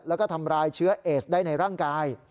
แล้วก็ทำร้ายเชื้อเอสได้ในร่างกาย